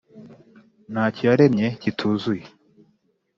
nta cyo yaremye kituzuye,